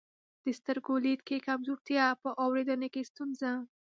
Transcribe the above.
د سترګو لید کې کمزورتیا، په اورېدنه کې ستونزه،